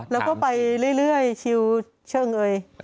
แล้วก็ไปเรื่อยชิลช่างเก้า